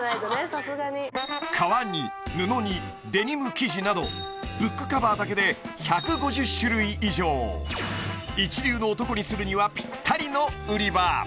さすがに革に布にデニム生地などブックカバーだけで１５０種類以上一流の男にするにはぴったりの売り場